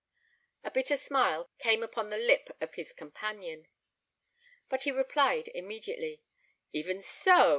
A bitter smile came upon the lip of his companion; but he replied immediately, "Even so!